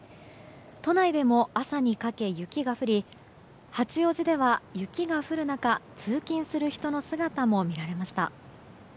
都内でも朝にかけ雪が降り八王子では雪が降る中通勤する人の姿も見られました。